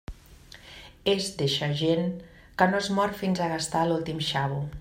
És d'eixa gent que no es mor fins a gastar l'últim xavo.